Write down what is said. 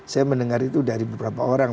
saya mendengar itu dari beberapa orang